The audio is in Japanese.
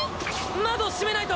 窓を閉めないと！